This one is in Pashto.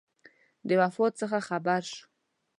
د وفات څخه خبر شو.